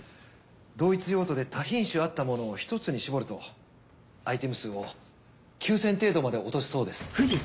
同一用途で多品種あったものを１つに絞るとアイテム数を９，０００程度まで落とせそうです。